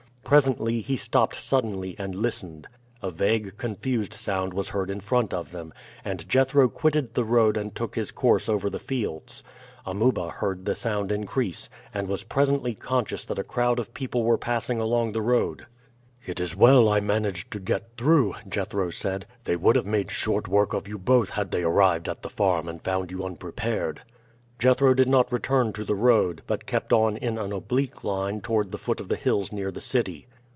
Presently he stopped suddenly and listened. A vague, confused sound was heard in front of them, and Jethro quitted the road and took his course over the fields. Amuba heard the sound increase, and was presently conscious that a crowd of people were passing along the road. "It is well I managed to get through," Jethro said. "They would have made short work of you both had they arrived at the farm and found you unprepared." Jethro did not return to the road, but kept on in an oblique line toward the foot of the hills near the city.